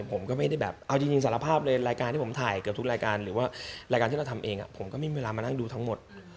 ผมก็ไม่ได้แบบเอาจริงสารภาพในรายการที่ผมถ่ายเกือบทุกรายการหรือว่ารายการที่เราทำเองผมก็ไม่มีเวลามานั่งดูทั้งหมด